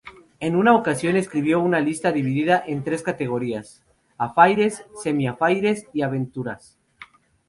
En una ocasión escribió una lista dividida en tres categorías: "affaires", "semi-affaires" y aventuras.